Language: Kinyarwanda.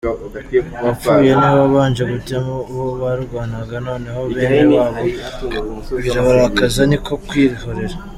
Uwapfuye niwe wabanje gutema uwo barwanaga noneho bene wabo birabarakaza niko kwihorera.